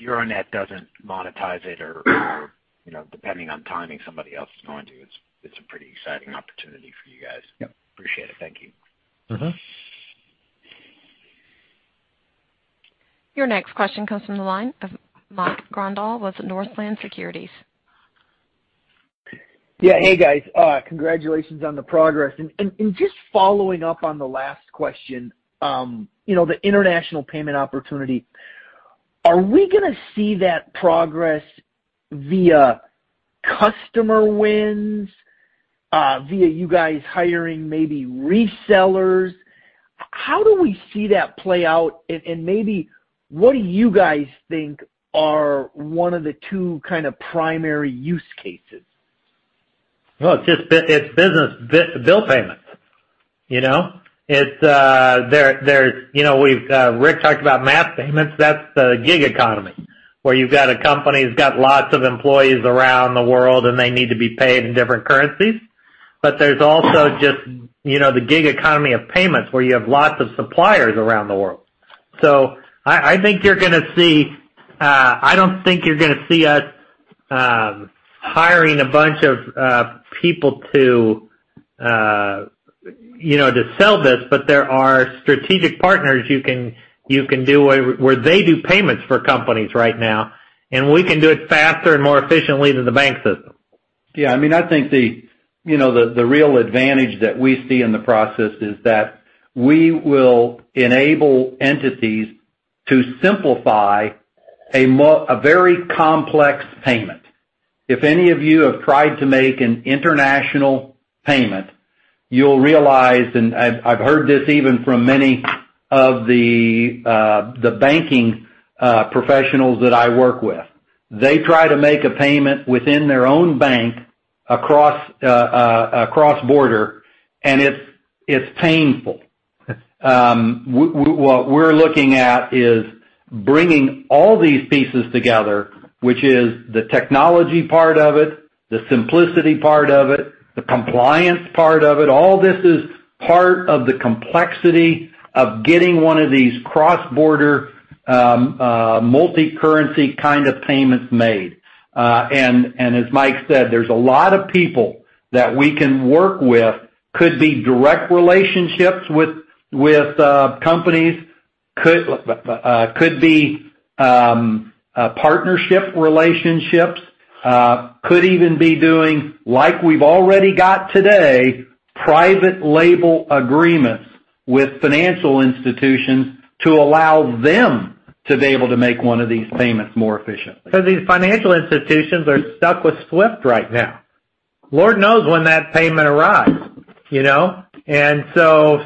Euronet doesn't monetize it or, depending on timing, somebody else is going to, it's a pretty exciting opportunity for you guys. Yep. Appreciate it. Thank you. Your next question comes from the line of Michael Grondahl with Northland Securities. Yeah. Hey, guys. Congratulations on the progress. Just following up on the last question, the international payment opportunity. Are we going to see that progress via customer wins, via you guys hiring maybe resellers? How do we see that play out, and maybe what do you guys think are one of the two kinds of primary use cases? Well, it's business bill payments. Rick talked about mass payments. That's the gig economy, where you've got a company that's got lots of employees around the world, and they need to be paid in different currencies. There's also just the gig economy of payments, where you have lots of suppliers around the world. I don't think you're going to see us hiring a bunch of people to sell this, but there are strategic partners you can do where they do payments for companies right now, and we can do it faster and more efficiently than the bank system. Yeah. I think the real advantage that we see in the process is that we will enable entities to simplify a very complex payment. If any of you have tried to make an international payment, you'll realize, and I've heard this even from many of the banking professionals that I work with. They try to make a payment within their own bank across the border, and it's painful. What we're looking at is bringing all these pieces together, which is the technology part of it, the simplicity part of it, the compliance part of it. All this is part of the complexity of getting one of these cross-border multi-currency kind of payments made. As Mike said, there's a lot of people that we can work with. Could be direct relationships with companies, could be partnership relationships, could even be doing, like we've already got today, private label agreements with financial institutions to allow them to be able to make 1 of these payments more efficiently. Because these financial institutions are stuck with SWIFT right now. Lord knows when that payment arrives.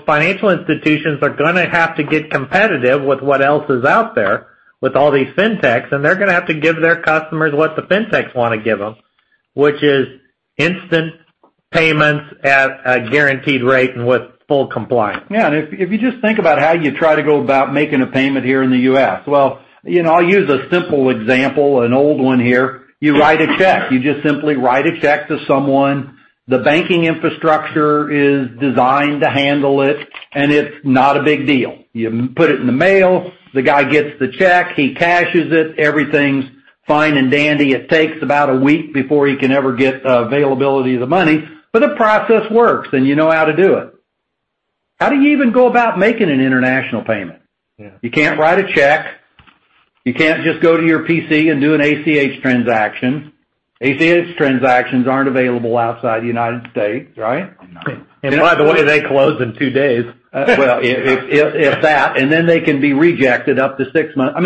Financial institutions are going to have to get competitive with what else is out there with all these FinTechs, and they're going to have to give their customers what the FinTechs want to give them, which is instant payments at a guaranteed rate and with full compliance. Yeah. If you just think about how you try to go about making a payment here in the U.S., well, I'll use a simple example, an old one here. You write a check. You simply write a check to someone. The banking infrastructure is designed to handle it, and it's not a big deal. You put it in the mail, the guy gets the check, he cashes it, everything's fine and dandy. It takes about a week before he can ever get availability of the money, but the process works, and you know how to do it. How do you even go about making an international payment? Yeah. You can't write a check. You can't just go to your PC and do an ACH transaction. ACH transactions aren't available outside the United States, right? By the way, they close in two days. If that. Then they can be rejected for up to six months.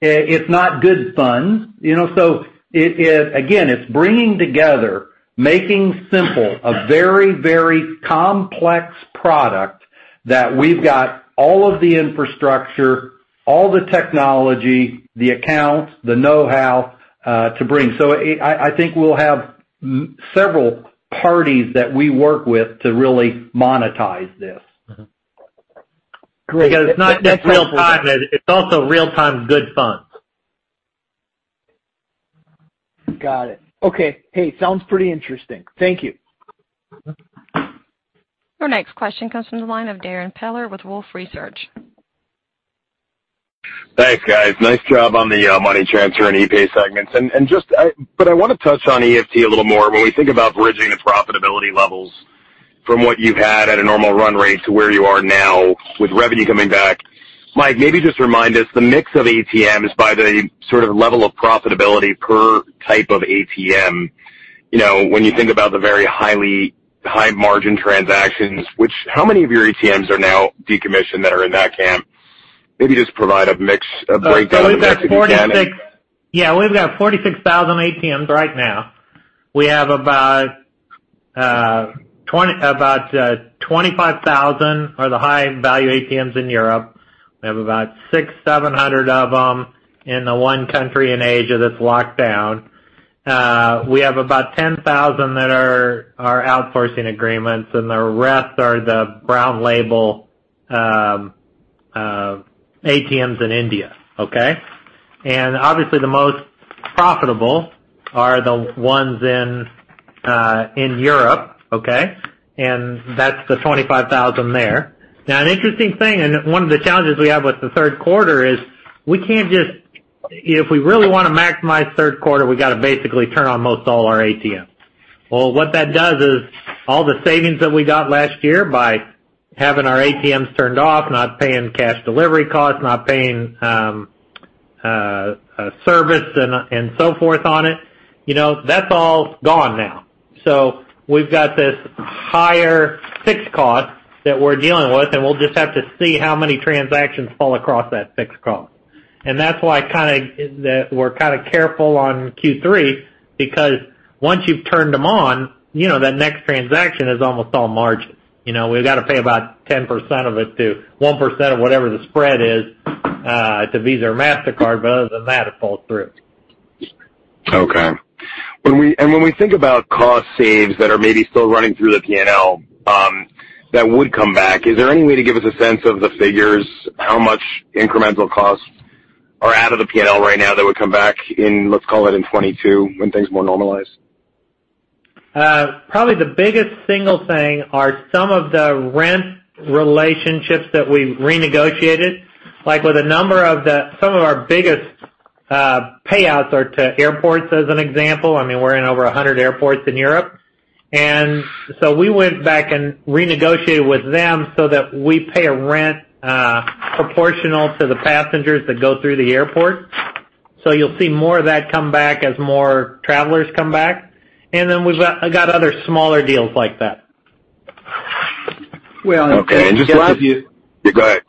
It's not good fun. Again, it's bringing together, making simple a very complex product that we've got all of the infrastructure, all the technology, the accounts, and the know-how to bring. I think we'll have several parties that we work with to really monetize this. Great. It's not just real-time. It's also really good fun. Got it. Okay. Hey, sounds pretty interesting. Thank you. Your next question comes from the line of Darrin Peller with Wolfe Research. Thanks, guys. Nice job on the money transfer and epay segments. I want to touch on EFT a little more. When we think about bridging the profitability levels from what you've had at a normal run rate to where you are now with revenue coming back, Mike, maybe just remind us of the mix of ATMs by the sort of level of profitability per type of ATM. When you think about the very high-margin transactions, how many of your ATMs are now decommissioned that are in that camp? Maybe just provide a breakdown of the mix again. Yeah, we've got 46,000 ATMs right now. We have about 25,000 are the high-value ATMs in Europe. We have about 600-700 of them in one country in Asia that's locked down. We have about 10,000 that are outsourcing agreements, and the rest are the brown label ATMs in India. Okay? Obviously, the most profitable are the ones in Europe, okay? That's the 25,000 there. Now, an interesting thing, one of the challenges we have with the third quarter is, if we really want to maximize the third quarter, have got to basically turn of most all our ATMs. Well, what that does is all the savings that we got last year by having our ATMs turned off, not paying cash delivery costs, not paying service and so forth on it, that's all gone now. We've got this higher fixed cost that we're dealing with, and we'll just have to see how many transactions fall across that fixed cost. That's why we're kind of careful on Q3, because once you've turned them on, that next transaction is almost all margin. We've got to pay about 10% of it to 1% of whatever the spread is to Visa or Mastercard, but other than that, it falls through. Okay. When we think about cost saves that are maybe still running through the P&L that would come back, is there any way to give us a sense of the figures, how much incremental costs are out of the P&L right now that would come back in, let's call it in 2022, when things more normalize? Probably the biggest single thing are some of the rent relationships that we renegotiated. Some of our biggest payouts are to airports, as an example. We're in over 100 airports in Europe. We went back and renegotiated with them so that we pay a rent proportional to the passengers that go through the airport. You'll see more of that come back as more travelers come back. We've got other smaller deals like that. Well, and just as you- Okay.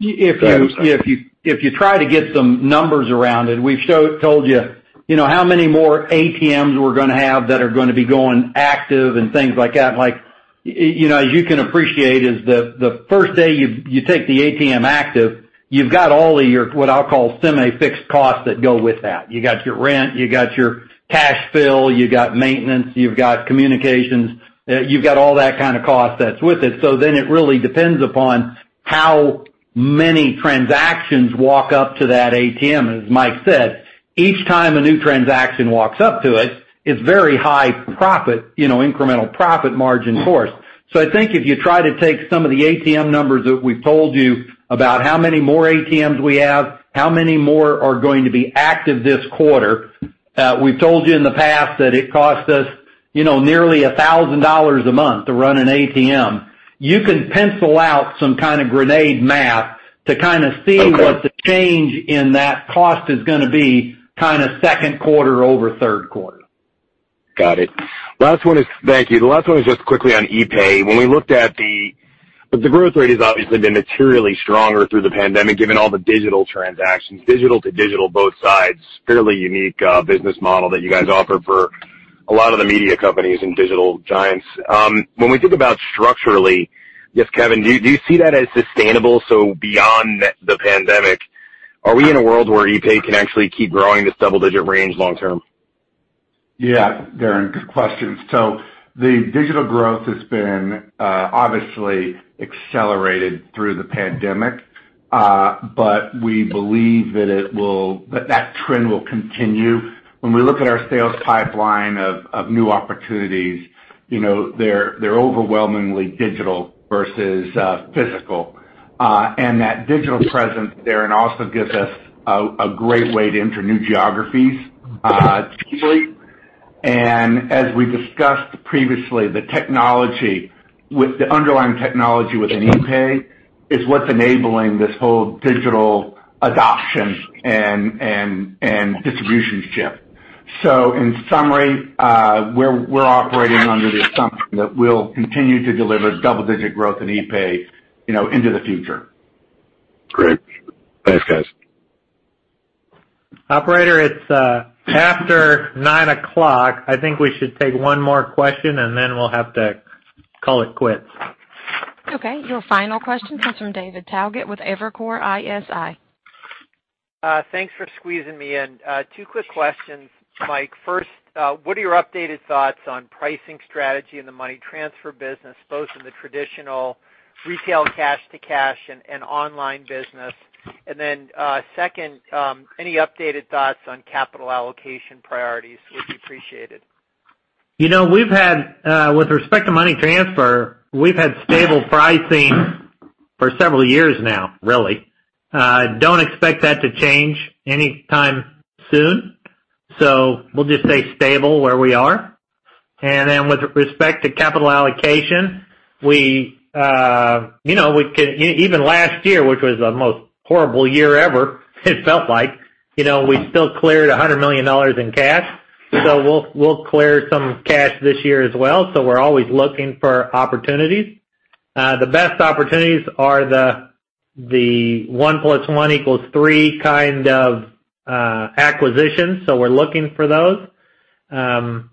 Yeah, go ahead. If you try to get some numbers around it, we've told you how many more ATMs we're going to have that are going to be going active and things like that. As you can appreciate is the first day you take the ATM active, you've got all of your, what I'll call, semi-fixed costs that go with that. You got your rent, you got your cash fill, you got maintenance, you've got communications, you've got all that kind of cost that's with it. It really depends on how many transactions walk up to that ATM. As Mike said, each time a new transaction walks up to its very high incremental profit margin for us. I think if you try to take some of the ATM numbers that we've told you about, how many more ATMs we have, and how many more are going to be active this quarter. We've told you in the past that it costs us nearly $1,000 a month to run an ATM. You can pencil out some kind of grenade math to kind of see. Okay What the change in that cost is going to be from the second quarter over third quarter. Got it. Thank you. The last one is just quick on epay. The growth rate has obviously been materially stronger through the pandemic, given all the digital transactions. Digital to digital, both sides, fairly unique business model that you guys offer for a lot of the media companies and digital giants. When we think about structurally, yes, Kevin, do you see that as sustainable? Beyond the pandemic, are we in a world where epay can actually keep growing this double-digit range long term? Yeah. Darrin, good question. The digital growth has been obviously accelerated through the pandemic. We believe that trend will continue. When we look at our sales pipeline of new opportunities, they're overwhelmingly digital versus physical. That digital presence, Darrin, also gives us a great way to enter new geographies cheaply. As we discussed previously, the underlying technology within epay is what's enabling this whole digital adoption and distribution shift. In summary, we're operating under the assumption that we'll continue to deliver double-digit growth in epay into the future. Great. Thanks, guys. Operator, it's after nine o'clock. I think we should take one more question, and then we'll have to call it quits. Okay. Your final question comes from David Togut with Evercore ISI. Thanks for squeezing me in. Two quick questions, Mike. First, what are your updated thoughts on pricing strategy in the money transfer business, both in the traditional retail cash-to-cash and online business? Second, any updated thoughts on capital allocation priorities would be appreciated. With respect to money transfer, we've had stable pricing for several years now, really. Don't expect that to change any time soon. We'll just stay stable where we are. With respect to capital allocation, even last year, which was the most horrible year ever, it felt like we still cleared $100 million in cash. We'll clear some cash this year as well. We're always looking for opportunities. The best opportunities are the one plus one equals three kind of acquisitions. We're looking for those. Sometimes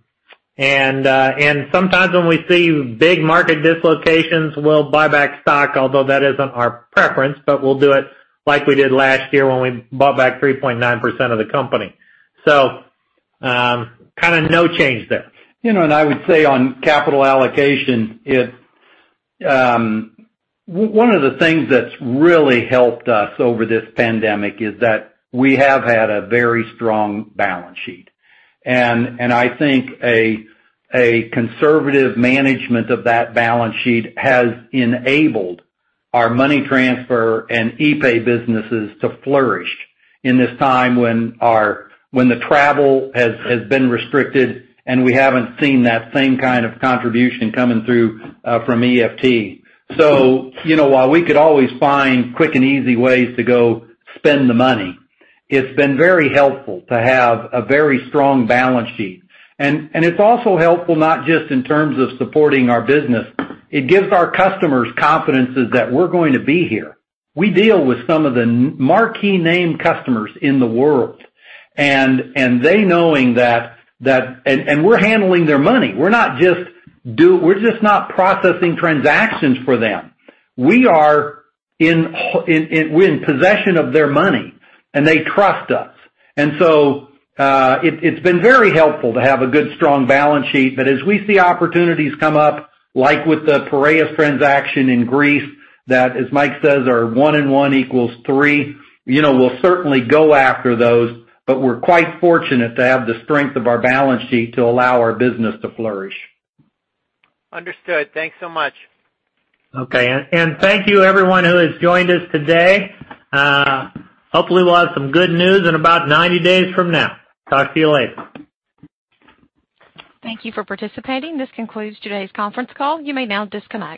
when we see big market dislocations, we'll buy back stock, although that isn't our preference, but we'll do it like we did last year when we bought back 3.9% of the company. Kind of no change there. I would say on capital allocation, one of the things that's really helped us over this pandemic is that we have had a very strong balance sheet. I think a conservative management of that balance sheet has enabled our money transfer and epay businesses to flourish in this time when travel has been restricted, and we haven't seen that same kind of contribution coming through from EFT. While we could always find quick and easy ways to spend the money, it's been very helpful to have a very strong balance sheet. It's also helpful not just in terms of supporting our business, but it gives our customers confidence that we're going to be here. We deal with some of the marquee-name customers in the world, and we're handling their money. We're just not processing transactions for them. We're in possession of their money, and they trust us. It's been very helpful to have a good, strong balance sheet. As we see opportunities come up, like with the Piraeus transaction in Greece, that, as Mike says, are one and one equals three, we'll certainly go after those. We're quite fortunate to have the strength of our balance sheet to allow our business to flourish. Understood. Thanks so much. Okay. Thank you to everyone who has joined us today. Hopefully, we'll have some good news in about 90 days from now. Talk to you later. Thank you for participating. This concludes today's conference call. You may now disconnect.